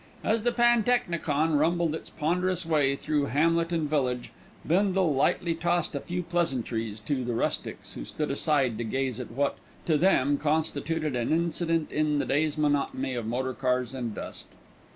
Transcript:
As the pantechnicon rumbled its ponderous way through hamlet and village, Bindle lightly tossed a few pleasantries to the rustics who stood aside to gaze at what, to them, constituted an incident in the day's monotony of motor cars and dust.